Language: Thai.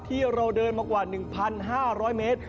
ที่เราเดินมากว่า๑๕๐๐เมตร